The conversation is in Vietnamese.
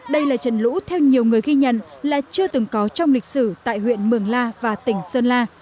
đây là trận lũ theo nhiều người ghi nhận là chưa từng có trong lịch sử tại huyện mường la và tỉnh sơn la